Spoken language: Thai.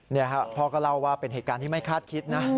นี่ครับพ่อก็เล่าว่าเป็นเหตุการณ์ที่ไม่คาดคิดนะ